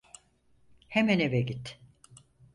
Hemen eve git.